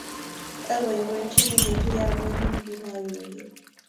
Apoipoitchini ketuye ak konyun kila wigit